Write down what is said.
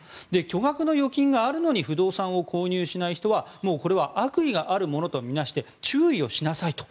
巨額の預金があるのに不動産を購入しない人はこれは悪意あるものと見なして注意をしなさいと。